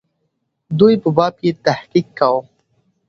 دوی په باب یې تحقیق کاوه.